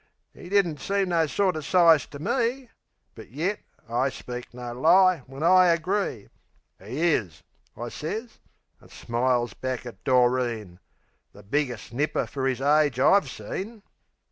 'E didn't seem no sorter size to me; But yet, I speak no lie when I agree; "'E is," I sez, an' smiles back at Doreen, "The biggest nipper fer 'is age I've seen."